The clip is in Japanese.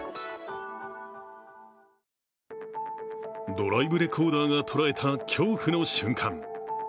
ドライブレコーダーが捉えた恐怖の瞬間。